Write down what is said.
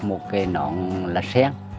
một cái nón lá xét